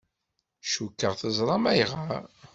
Cukkeɣ teẓram ayɣer.